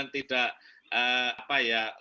tidak apa ya